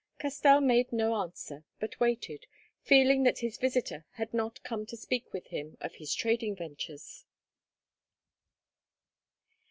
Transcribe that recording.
Castell made no answer, but waited, feeling that his visitor had not come to speak with him of his trading ventures.